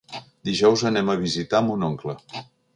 Dijous anem a visitar mon oncle.